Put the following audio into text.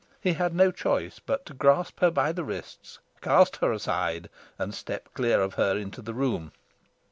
He had no choice but to grasp her by the wrists, cast her aside, and step clear of her into the room.